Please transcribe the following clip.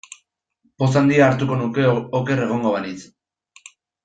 Poz handia hartuko nuke oker egongo banintz.